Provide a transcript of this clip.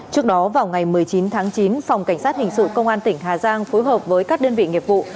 trước đó vào ngày một mươi chín tháng chín phòng cảnh sát hình sự công an tỉnh hà giang phối hợp với các đơn vị nghiệp vụ